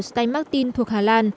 steinmachtin thuộc hà lan